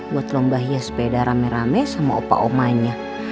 buat lomba hias sepeda rame rame sama opa omanya